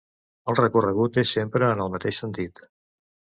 El recorregut és sempre en el mateix sentit.